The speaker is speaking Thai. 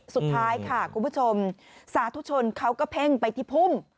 สุดท้ายค่ะคุณผู้ชมสาธุชนเขาก็เพ่งไปที่พุ่ม